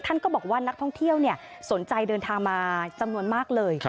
ก็บอกว่านักท่องเที่ยวสนใจเดินทางมาจำนวนมากเลย